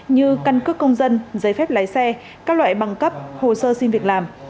như căn cước công dân giấy phép lái xe các loại bằng cấp hồ sơ xin việc làm